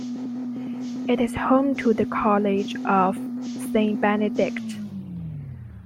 It is home to the College of Saint Benedict.